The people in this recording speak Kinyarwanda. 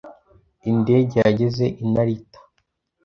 Indege yageze i Narita.